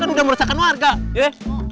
kan udah merusakkan warga ya